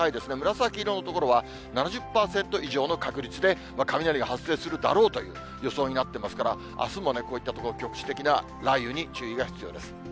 紫色の所は７０％以上の確率で、雷が発生するだろうという予想になってますから、あすもこういった所、局地的な雷雨に注意が必要です。